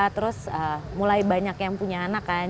terus mulai banyak yang punya anak kan